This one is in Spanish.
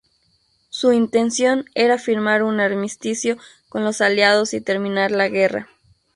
Su intención era firmar un armisticio con los aliados y terminar la guerra.